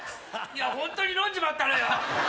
ホントに飲んじまったのよ。